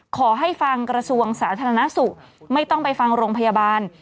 ขอให้ฟังกระทรวงสาธารณสุขไม่ต้องไปฟังโรงพยาบาล